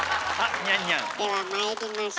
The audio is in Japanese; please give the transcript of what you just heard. ではまいりましょう。